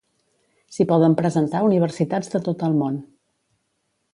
S'hi poden presentar universitats de tot el món.